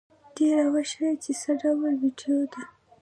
ته را وښیه چې څه ډول ویډیو ده؟